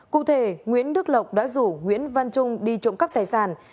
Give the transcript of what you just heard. cụ thể nguyễn đức lộc đã rủ nguyễn văn trung đi trộm cắp tài sản